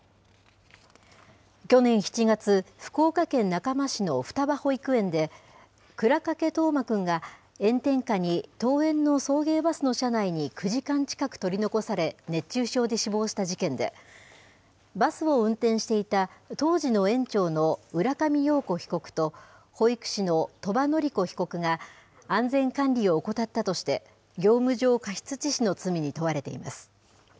去年７月、福岡県中間市の双葉保育園で、倉掛冬生くんが、炎天下に登園の送迎バスの車内に９時間近く取り残され、熱中症で死亡した事件で、バスを運転していた当時の園長の浦上陽子被告と、保育士の鳥羽詞子被告が、安全管理を怠ったとして、業務上過失致死の罪に問われています。